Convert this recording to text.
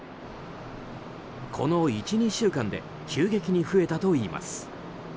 この１２週間で急激に増えたといいます。